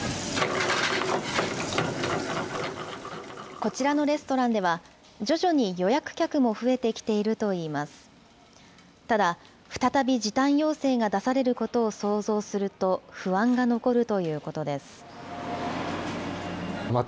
こちらのレストランでは、徐々に予約客も増えてきているといいます。